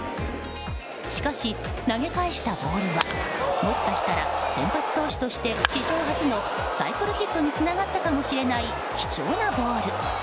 しかし、投げ返したボールはもしかしたら先発投手として史上初のサイクルヒットにつながったかもしれない、貴重なボール。